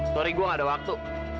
sorry gue gak ada waktu